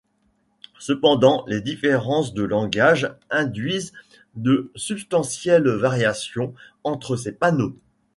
Cependant les différences de langages induisent de substantielles variations entre ces panneaux.